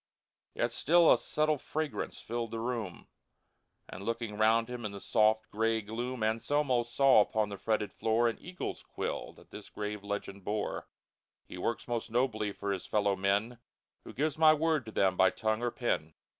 Yet still a subtile fragrance filled the room ; And looking round him in the soft, gray gloom, Anselmo saw upon the fretted floor An eagle's quill that this grave legend bore :" He works most nobly for his fellow men Who gives My word to them, by tongue or pen